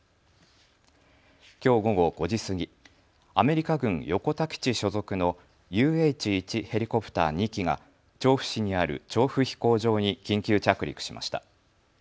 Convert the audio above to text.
きょう午後５時過ぎ、アメリカ軍横田基地所属のＵＨ−１ヘリコプター２機が調布市にある調布飛行場に緊急着陸しました。